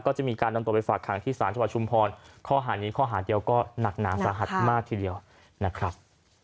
ก็จะมีการนำตัวไปฝากขังที่ศาลจังหวัดชุมพรข้อหานี้ข้อหาเดียวก็หนักหนาสาหัสมากทีเดียวนะครับ